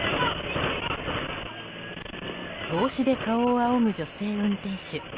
帽子で顔をあおぐ女性運転手。